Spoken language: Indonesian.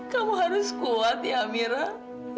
kamu harus kuat ya mira